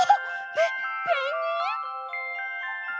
ペペンギン